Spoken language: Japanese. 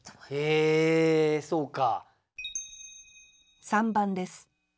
へえそうか。